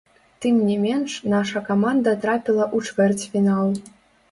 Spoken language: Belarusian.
Тым не менш наша каманда трапіла ў чвэрцьфінал.